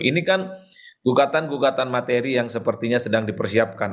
ini kan gugatan gugatan materi yang sepertinya sedang dipersiapkan